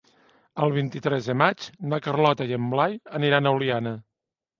El vint-i-tres de maig na Carlota i en Blai aniran a Oliana.